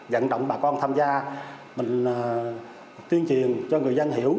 dẫn động bà con tham gia mình tuyên truyền cho người dân hiểu